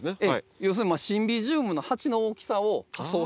要するにシンビジウムの鉢の大きさを仮想してます。